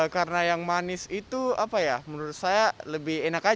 karena yang manis itu apa ya menurut saya lebih enak